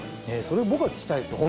それ僕が聞きたいですよ